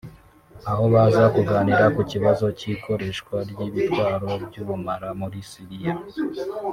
aho baza kuganira ku kibazo cy’ikoreshwa ry’ibitwaro by’ubumara muri Syria